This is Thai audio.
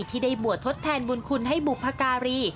ที่ได้บวชทดแทนบุญคุณให้บุพการี